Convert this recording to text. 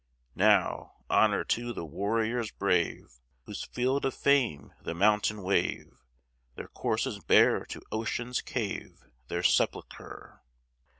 Now, honor to the warriors brave, Whose field of fame, the mountain wave, Their corses bear to ocean's cave, Their sepulchre.